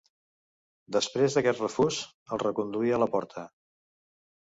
Després d'aquest refús, el reconduí a la porta.